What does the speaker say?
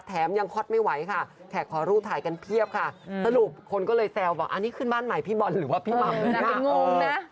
แถมยังฮอตไม่ไหวค่ะแขกขอรูปถ่ายกันเพียบค่ะสรุปคนก็เลยแซวว่าอันนี้ขึ้นบ้านใหม่พี่บอลหรือว่าพี่หม่ำเลยนะงง